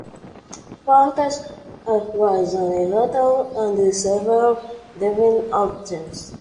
Foster has one hotel and several dining options.